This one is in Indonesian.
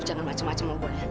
lu jangan macem macem sama gua ya